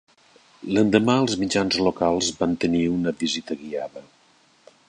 L'endemà, els mitjans locals van tenir una visita guiada.